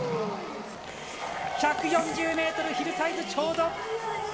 １４０メートルヒルサイズちょうど。